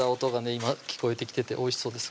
今聞こえてきてておいしそうです